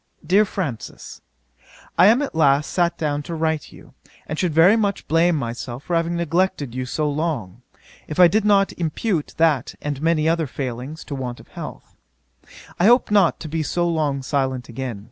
'DEAR FRANCIS, 'I am at last sat down to write to you, and should very much blame myself for having neglected you so long, if I did not impute that and many other failings to want of health. I hope not to be so long silent again.